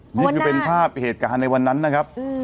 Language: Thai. นี่คือเป็นภาพเหตุการณ์ในวันนั้นนะครับ